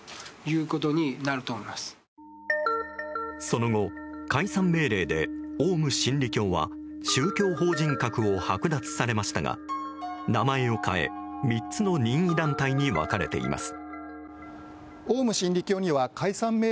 その後、解散命令でオウム真理教は宗教法人格を剥奪されましたが名前を変え、３つの任意団体に分かれています。